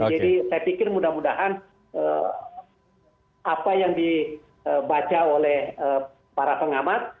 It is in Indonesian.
jadi saya pikir mudah mudahan apa yang dibaca oleh para pengamat